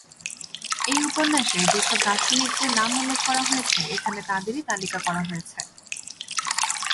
এই উপন্যাসে যেসব দার্শনিকদের নাম উল্লেখ করা হয়েছে এখানে তাদেরই তালিকা করা হয়েছে।